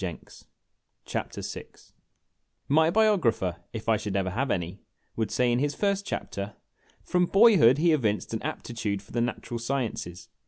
A LOST OPPORTUNITY M Y BIOGRAPHER, if I should ever have any, would say in his first chapter :" From boyhood he evinced an aptitude for the Natural Sciences.